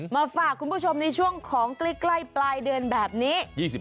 มาฝากคุณผู้ชมในช่วงของใกล้ปลายเดือนแบบนี้